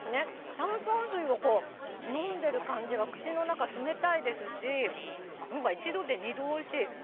炭酸水を飲んでる感じが、口の中冷たいですし、一度で二度おいしい。